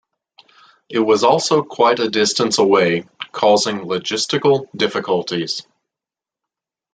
It was also quite a distance away, causing logistical difficulties.